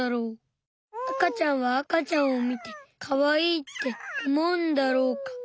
あかちゃんはあかちゃんを見てかわいいって思うんだろうか？